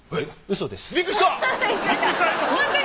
嘘です。